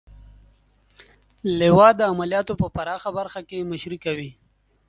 لوا د عملیاتو په پراخه برخه کې مشري کوي.